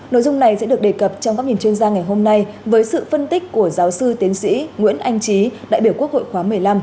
nội dung này sẽ được đề cập trong các nhìn chuyên gia ngày hôm nay với sự phân tích của giáo sư tiến sĩ nguyễn anh trí đại biểu quốc hội khóa một mươi năm